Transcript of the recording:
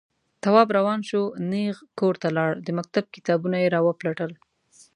تواب روان شو، نېغ کور ته لاړ، د مکتب کتابونه يې راوپلټل.